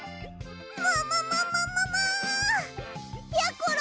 もももももも！やころ